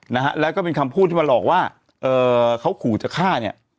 นะฮะแล้วก็เป็นคำพูดที่มาหลอกว่าเอ่อเขาขู่จะฆ่าเนี่ย